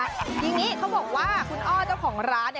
อย่างนี้เขาบอกว่าคุณอ้อเจ้าของร้าน